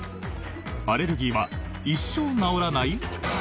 アレルギーは一生治らない？